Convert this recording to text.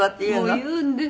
もう言うんです。